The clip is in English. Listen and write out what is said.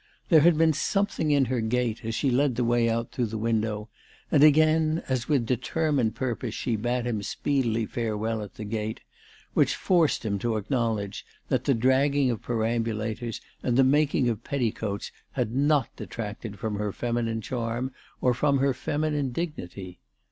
There had been something in her gait as she led the way out through the window, and again, as with determined purpose she bade him speedily farewell at the gate, which forced him to acknowledge that the dragging of perambulators and the making of petticoats had not detracted from her feminine charm or from her feminine dignity.